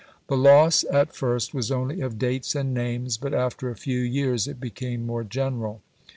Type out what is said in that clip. The loss at first was only of dates and names, but after a few years it became more general.